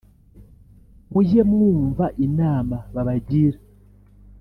mujye mwumva inama babagira